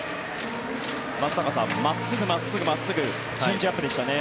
松坂さん真っすぐ、真っすぐ、真っすぐチェンジアップでしたね。